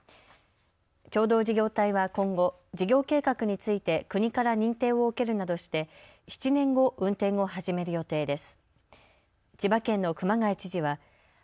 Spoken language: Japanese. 共同事業体は今後、事業計画について国から認定を受けるなどして７年後、運転を始める予定です。